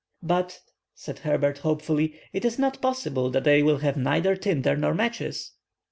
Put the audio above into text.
"But," said Herbert, hopefully, "it is not possible that they will have neither tinder nor matches."